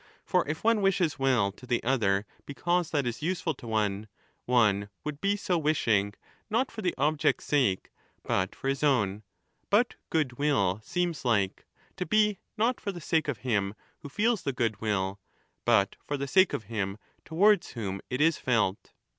For if one wisEes^wetl <• 'Vv^'''^ to the other because that is" useful to one, one would be so ^t^ wishing not for the object's sake, but for his own; but ^^,•,•^ goodwill seems like ...^ to be not for the sake of him who feels the goodwill, but for the sake of him towards whom it is felt.